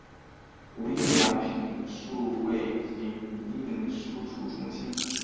无印良品数位影印输出中心